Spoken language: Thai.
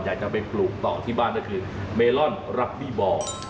อยากจะไปปลูกต่อที่บ้านก็คือเมลอนรักบี้บ่อ